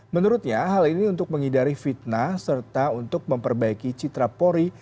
menurutnya hal ini untuk menghindari fitnah serta untuk memperbaiki citra polri